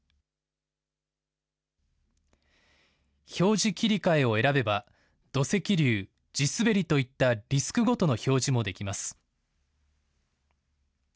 表示切り替えを選べば土石流、地滑りといったリスクごとの表示もできます。